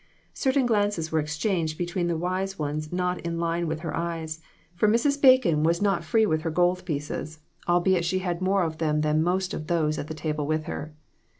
Certain glances were exchanged between the wise ones not in line with her eyes ; for Mrs. 2O6 CROSS LOTS. Bacon was not free with her gold pieces, albeit she had more of them than most of those at the table with her.